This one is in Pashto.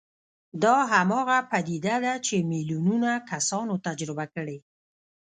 دا هماغه پديده ده چې ميليونونه کسانو تجربه کړې.